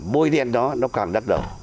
môi đen đó nó càng đắt đầu